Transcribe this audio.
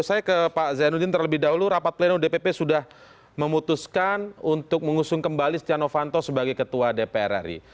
saya ke pak zainuddin terlebih dahulu rapat pleno dpp sudah memutuskan untuk mengusung kembali stiano fanto sebagai ketua dpr ri